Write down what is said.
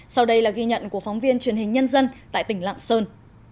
sau đây là ghi nhận của phóng viên truyền hình nhân dân tại tỉnh lạng sơn